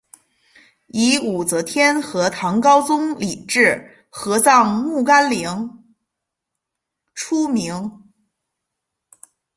以武则天和唐高宗李治合葬墓干陵出名。